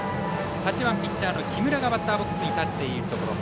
８番ピッチャーの木村がバッターボックスに立っているところ。